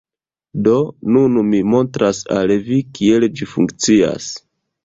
Do, nun mi montras al vi kiel ĝi funkcias